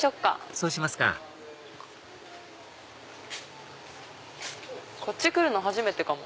そうしますかこっち来るの初めてかも。